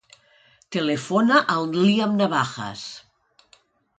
Telefona al Liam Navajas.